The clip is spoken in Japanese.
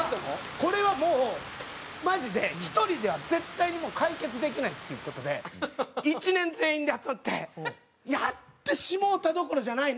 これはもうマジで１人では絶対にもう解決できないっていう事で１年全員で集まってやってしもうたどころじゃないな